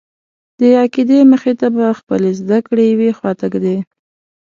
د عقیدې مخې ته به خپلې زده کړې یوې خواته ږدې.